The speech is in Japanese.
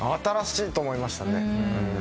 新しいと思いましたね。